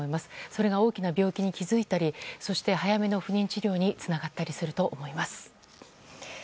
それが大きな病気に気づいたりそして早めの不妊治療につながったりすると思います。